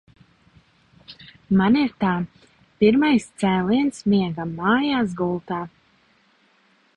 Man ir tā – pirmais cēliens miegam mājās gultā.